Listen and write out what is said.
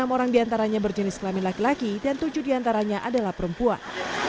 enam orang diantaranya berjenis kelamin laki laki dan tujuh diantaranya adalah perempuan